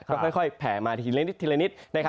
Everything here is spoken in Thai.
ก็ค่อยแผ่มาทีละนิด